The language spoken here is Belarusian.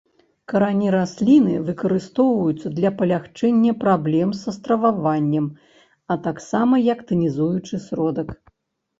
Карані расліны выкарыстоўваюцца для палягчэння праблем са страваваннем, а таксама як танізуючы сродак.